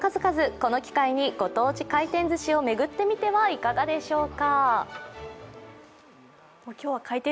この機会にご当地回転ずしを巡ってみてはいかがでしょうか。